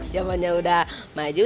jamannya udah maju